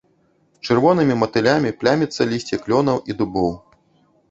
Чырвонымі матылямі пляміцца лісце клёнаў і дубоў.